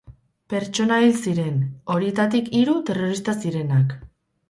Pertsona hil ziren, horietatik hiru terrorista zirenak.